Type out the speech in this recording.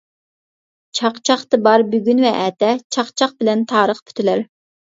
چاقچاقتا بار بۈگۈن ۋە ئەتە، چاقچاق بىلەن تارىخ پۈتۈلەر.